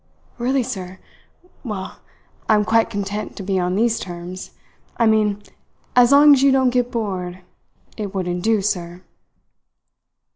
"Really, sir? Well, I am quite content to be on these terms I mean as long as you don't get bored. It wouldn't do, sir."